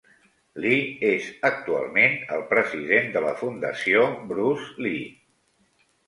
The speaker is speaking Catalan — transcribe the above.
Lee és actualment el president de la Fundació Bruce Lee.